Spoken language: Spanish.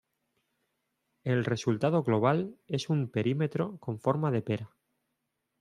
El resultado global es un perímetro con forma de pera.